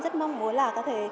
rất mong muốn là có thể